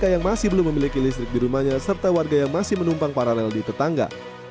mereka yang masih belum memiliki listrik di rumahnya serta warga yang masih menumpang paralel di tetangga